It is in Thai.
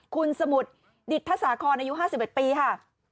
คุณสมุทรดิตทสาคอนอายุ๕๑ปีค่ะ